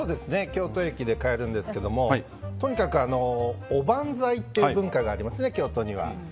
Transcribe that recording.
京都駅で買えるんですがとにかく、おばんざいっていう文化がありますね、京都には。